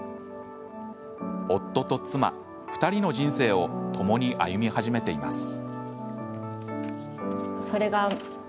夫と妻、２人の人生をともに歩み始めています。